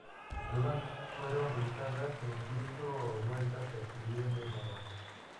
Algunas fueron revisadas e incluso vueltas a escribir de nuevo.